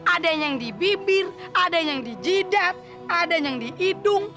ada yang di bibir ada yang di jidat ada yang di hidung